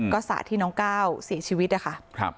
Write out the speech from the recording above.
ก็สระที่น้องก้าวเสียชีวิตนะคะ